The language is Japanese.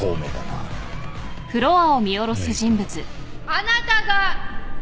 あなたが！